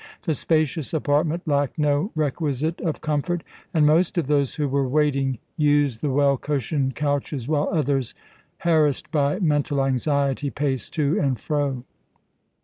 The spacious apartment lacked no requisite of comfort, and most of those who were waiting used the well cushioned couches, while others, harassed by mental anxiety, paced to and fro.